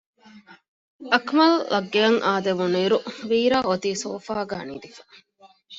އަކުމަލްއަށް ގެއަށް އާދެވުނުއިރު ވީރާ އޮތީ ސޯފާގައި ނިދިފަ